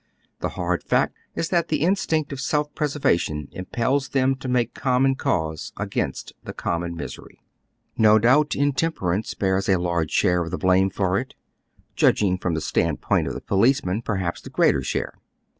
The hard fact is that the instinct of self preservation impels them to make common cause against the common misery. No doubt intemperance bears a large share of the blame for it ; judging from the stand point of the policeman per haps the greater share.